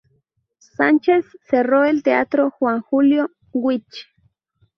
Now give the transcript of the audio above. Sánchez Cerro y el teatro Juan Julio Witch.